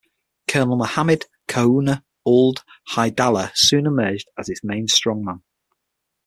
Colonel Mohamed Khouna Ould Haidalla soon emerged as its main strongman.